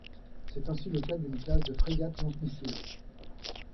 C'est ainsi le cas d'une classe de frégates lance-missiles.